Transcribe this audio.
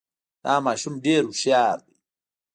دا ماشوم ډېر هوښیار دی.